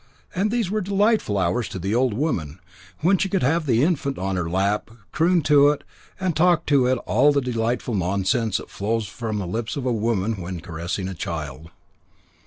And these were delightful hours to the old woman, when she could have the infant on her lap, croon to it, and talk to it all the delightful nonsense that flows from the lips of a woman when caressing a child.